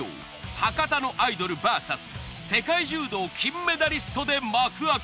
博多のアイドルバーサス世界柔道金メダリストで幕開け。